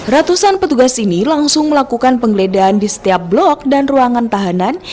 ratusan petugas ini langsung melakukan penggeledahan di setiap blok dan ruangan tahanan